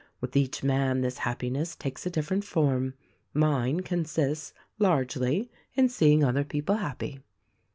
With each man this happiness takes a different form — mine consists, largely, in seeing other people happy.